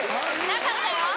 なかったよ！